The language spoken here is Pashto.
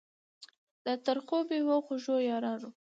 د ترخو میو خوږو یارانو